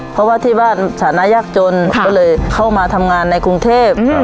เพราะว่าที่บ้านฐานะยากจนก็เลยเข้ามาทำงานในกรุงเทพ